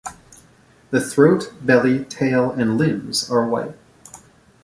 The throat, belly, tail and limbs are white.